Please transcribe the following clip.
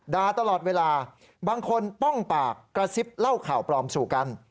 ตลอดเวลาบางคนป้องปากกระซิบเล่าข่าวปลอมสู่กัน